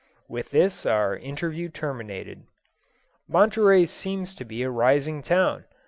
With this our interview terminated. Monterey seems to be a rising town.